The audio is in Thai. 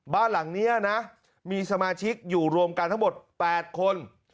บ้านหลังนี้นะมีสมาชิกอยู่รวมกันทั้งหมด๘คน